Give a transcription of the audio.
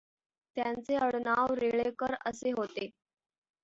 त्यांचे आडनाव रेळेकर असे होते.